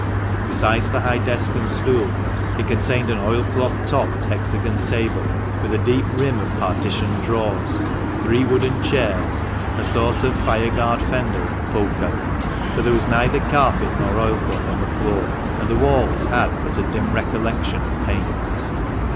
Besides the high desk and stool, it contained an oilcloth topped hexagon table, with a deep rim of partitioned drawers, three wooden chairs, a sort of fireguard fender, and a poker ; but there was neither carpet nor oilcloth on the floor, and the walls had but a dim recollection of paint.